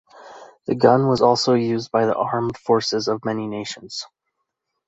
The gun was also used by the armed forces of many nations.